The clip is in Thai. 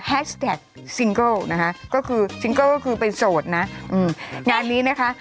แท็กซิงเกิลนะคะก็คือซิงเกิลก็คือเป็นโสดนะอืมงานนี้นะคะ